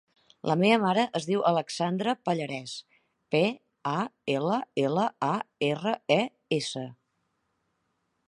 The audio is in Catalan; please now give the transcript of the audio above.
La meva mare es diu Alexandra Pallares: pe, a, ela, ela, a, erra, e, essa.